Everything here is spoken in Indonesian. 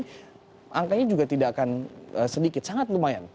jadi angkanya juga tidak akan sedikit sangat lumayan